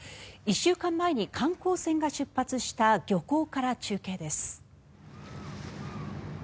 １週間前に観光船が出発した漁港から中継です。